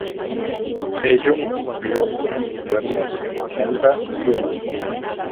Ello ocurrió en el gobierno de Ollanta Humala.